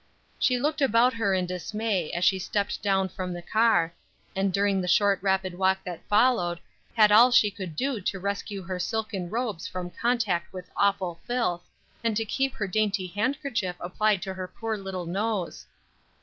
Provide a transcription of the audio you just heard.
She looked about her in dismay as she stepped down from the car, and during the short rapid walk that followed, had all she could do to rescue her silken robes from contact with awful filth, and to keep her dainty handkerchief applied to her poor little nose.